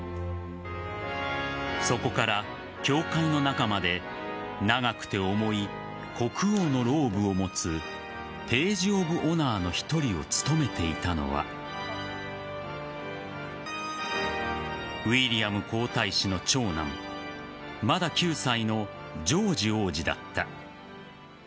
そこから教会の中まで長くて重い国王のローブを持つページ・オブ・オナーの１人を務めていたのはウィリアム皇太子の長男まだ９歳のジョージ王子だった。